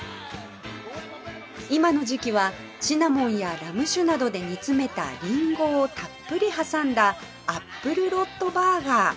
今の時期はシナモンやラム酒などで煮詰めたりんごをたっぷり挟んだアップルロットバーガー